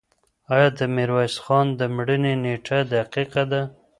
آیا د میرویس خان د مړینې نېټه دقیقه ده؟